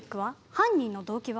犯人の動機は？